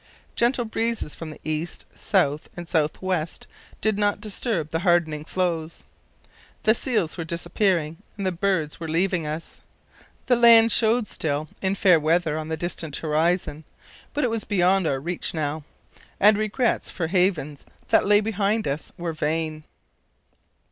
Gentle breezes from the east, south, and south west did not disturb the hardening floes. The seals were disappearing and the birds were leaving us. The land showed still in fair weather on the distant horizon, but it was beyond our reach now, and regrets for havens that lay behind us were vain.